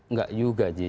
nggak juga ji